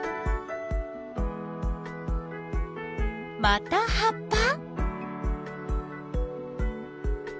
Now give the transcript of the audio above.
また葉っぱ？